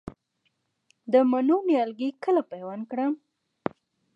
د مڼو نیالګي کله پیوند کړم؟